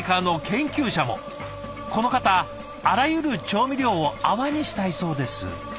この方あらゆる調味料を泡にしたいそうです。